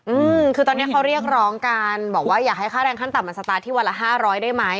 อืมคือตอนเนี้ยเขาเรียกร้องกันบอกว่าอยากให้ค่าแรงขั้นต่ำมันสตาร์ทที่วันละห้าร้อยได้ไหม